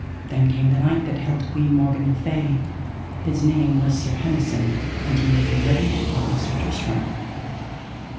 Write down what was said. Then came the knight that held Queen Morgan le Fay, his name was Sir Hemison, and he made him ready to follow Sir Tristram.